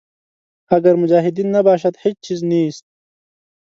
اګر مجاهدین نباشد هېچ چیز نیست.